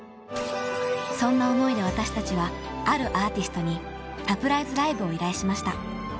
［そんな思いで私たちはあるアーティストにサプライズライブを依頼しました］